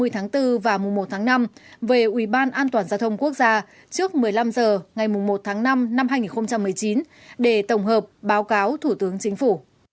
ba mươi tháng bốn và một tháng năm về ubndg trước một mươi năm h ngày một tháng năm năm hai nghìn một mươi chín để tổng hợp báo cáo thủ tướng chính phủ